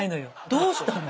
どうしたの？